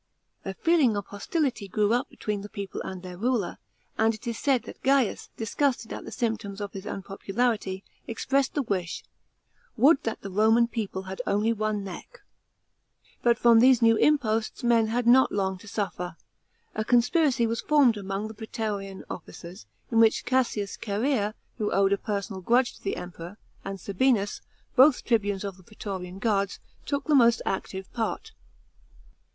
* A feeling of hostility grew up between the people and the'r ruler ; and it is said that Gains, disgusted at the symptoms of his unpopularity, expressed the wish, " Would that the Roman people had only one neck I* But from these new imposts men had not long to suffer. A conspiracy was formed among the pra?t"rian officers, in which Cassias Chserea, who owed a | ersonal grudge to the Emperor, and Sabinus, both tribunes of the praetorian guards, took the most active part.